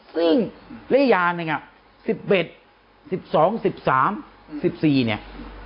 ซึ่งเรย์อิยานนึงอะ๑๑๑๒๑๓๑๔เนี่ย